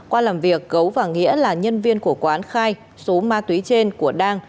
qua làm việc gấu và nghĩa là nhân viên của quán khai số ma túy trên của đang